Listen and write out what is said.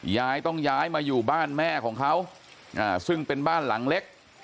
ยายต้องย้ายมาอยู่บ้านแม่ของเขาซึ่งเป็นบ้านหลังเล็ก